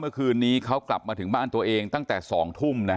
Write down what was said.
เมื่อคืนนี้คนกลับมามาถึงบ้านตัวเองตั้งแต่สองทุ่มนะฮะ